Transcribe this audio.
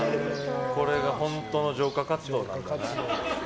これが本当の浄化活動なんだな。